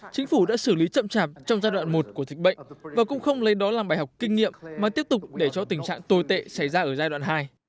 chính phủ đã xử lý chậm chạp trong giai đoạn một của dịch bệnh và cũng không lấy đó làm bài học kinh nghiệm mà tiếp tục để cho tình trạng tồi tệ xảy ra ở giai đoạn hai